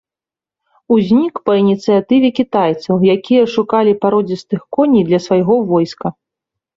Узнік па ініцыятыве кітайцаў, якія шукалі пародзістых коней для свайго войска.